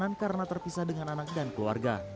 dia menangis karena terpisah dengan anak dan keluarga